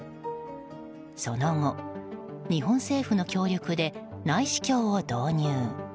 その後、日本政府の協力で内視鏡を導入。